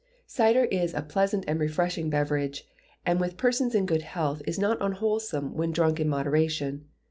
Cider is a pleasant and refreshing beverage, and with persons in good health is not unwholesome when drunk in moderation.